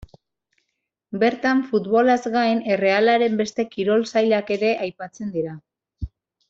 Bertan futbolaz gain Errealaren beste kirol sailak ere aipatzen dira.